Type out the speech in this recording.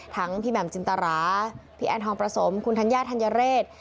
ทั้งพี่แหม่มจินตาราพี่แอนทองประสงค์คุณธัญญาธัญญาเรช